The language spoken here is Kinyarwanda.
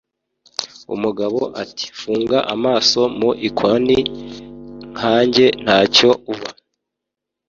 umugabo ati "funga amaso mu ikoni nkanjye ntacyo uba".